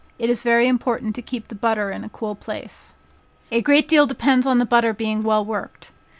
It is very important to keep the butter in a cool place." A great deal depends on the butter being well worked.